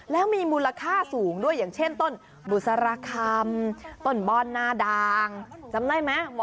แล้วมีมูลค่าสูงด้วยอย่างเช่นต้นบุษรคำต้นบอลนาดางจำได้ไหม